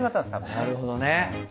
なるほどね。